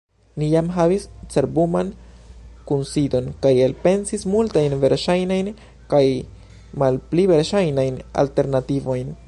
Ni jam havis cerbuman kunsidon kaj elpensis multajn verŝajnajn kaj malpli verŝajnajn alternativojn.